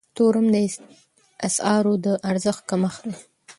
تورم د اسعارو د ارزښت کمښت دی.